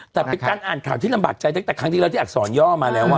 แต่เป็นการอ่านข่าวที่ลำบากใจตั้งแต่ครั้งที่แล้วที่อักษรย่อมาแล้ว